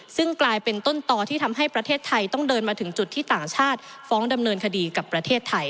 ซึ่งกลายเป็นต้นต่อที่ทำให้ประเทศไทยต้องเดินมาถึงจุดที่ต่างชาติฟ้องดำเนินคดีกับประเทศไทย